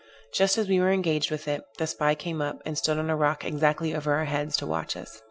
Just as we were engaged with it, the spy came up, and stood on a rock exactly over our heads, to watch us.